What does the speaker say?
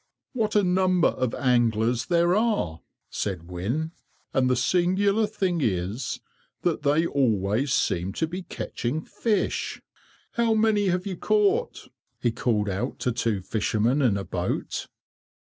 "What a number of anglers there are!" said Wynne, "and the singular thing is, that they always seem to be catching fish.—How many have you caught?" he called out to two fishermen in a boat.